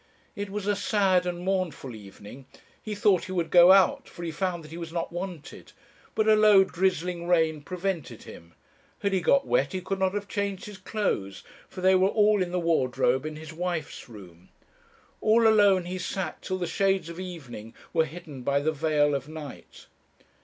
It was a sad and mournful evening. He thought he would go out, for he found that he was not wanted; but a low drizzling rain prevented him. Had he got wet he could not have changed his clothes, for they were all in the wardrobe in his wife's room. All alone he sat till the shades of evening were hidden by the veil of night.